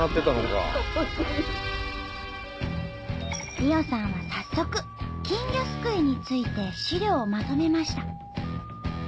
莉緒さんは早速金魚すくいについて資料をまとめました。